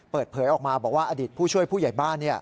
เปิดเผยออกมาบอกว่าอดีตผู้ช่วยผู้ใหญ่บ้าน